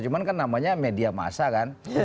cuma kan namanya media massa kan